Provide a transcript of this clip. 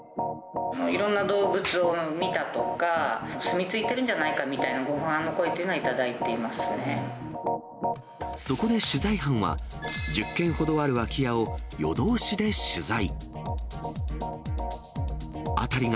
いろんな動物を見たとか、住み着いてるんじゃないかみたいなご不安の声っていうのは頂いてそこで取材班は、１０軒ほどある空き家を夜通しで取材。